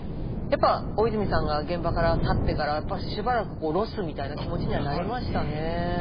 やっぱ大泉さんが現場から去ってからやっぱしばらくロスみたいな気持ちにはなりましたね。